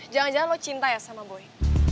jangan jangan lo cinta ya sama boy